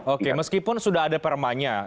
oke meskipun sudah ada perma nya